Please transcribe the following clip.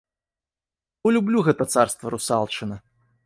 Бо люблю гэта царства русалчына!